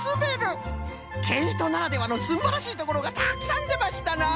けいとならではのすんばらしいところがたくさんでましたな！